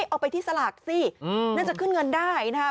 เอาไปที่สลากสิน่าจะขึ้นเงินได้นะคะ